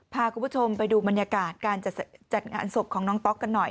พาคุณผู้ชมไปดูบรรยากาศการจัดงานศพของน้องต๊อกกันหน่อย